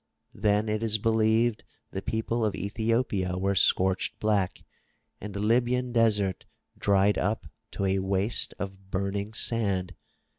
Then it is believed the people of Ethiopia were scorched black and the Libyan desert dried up to a waste of burning sand.